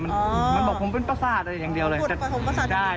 อ๋อมันบอกผมเป็นประสาทอย่างเดียวเลยแต่ผมประสาทอย่างเดียว